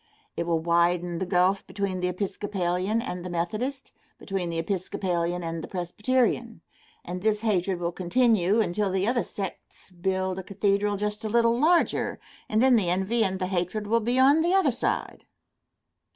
It will widen the gulf between the Episcopalian and the Methodist, between the Episcopalian and the Presbyterian, and this hatred will continue until the other sects build a cathedral just a little larger, and then the envy and the hatred will be on the other side.